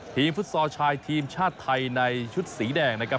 ฟุตซอลชายทีมชาติไทยในชุดสีแดงนะครับ